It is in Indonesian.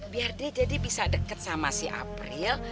biar dia jadi bisa deket sama si april